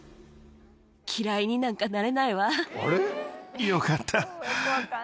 嫌いになんかなれないわ。よかった。